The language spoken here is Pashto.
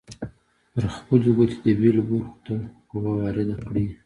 پر خپلې ګوتې د بیلو برخو ته قوه وارده کړئ.